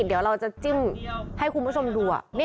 เดี๋ยวเราจะจิ้มให้คุณผู้ชมดู